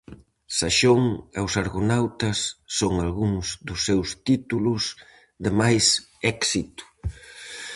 Xasón e os Argonautas son algúns dos seus títulos de máis éxito.